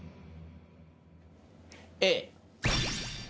Ａ。